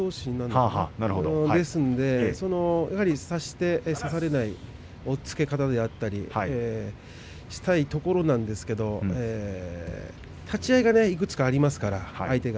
ですので差して差されない押っつけ方であったりをしたいところなんですけれど立ち合いがいくつかありますから相手は。